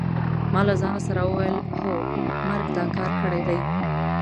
ما له ځان سره وویل: هو مرګ دا کار کړی دی.